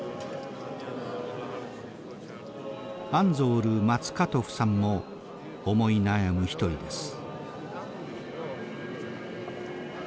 アンゾール・マツカトフさんも思い悩む一人です。